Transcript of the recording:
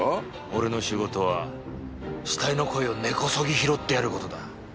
俺の仕事は死体の声を根こそぎ拾ってやる事だ。